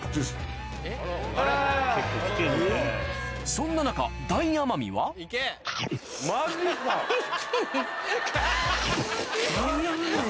そんな中大奄美はマジか！